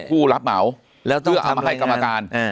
เพื่อเอามาให้กรรมการ